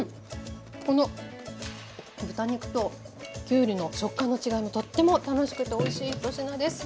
この豚肉ときゅうりの食感の違いもとっても楽しくておいしい１品です。